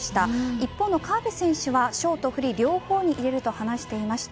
一方の河辺選手はショートフリー両方に入れると話していました。